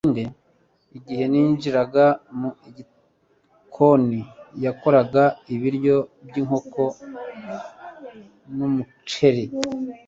igihe ninjiraga mu gikoni, yakoraga ibiryo by'inkoko n'umuceri